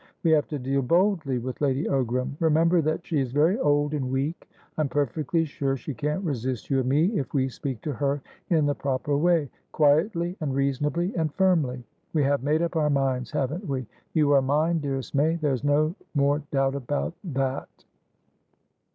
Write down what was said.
We have to deal boldly with Lady Ogram. Remember that she is very old and weak; I'm perfectly sure she can't resist you and me if we speak to her in the proper wayquietly and reasonably and firmly. We have made up our minds, haven't we? You are mine, dearest May! There's no more doubt about that!"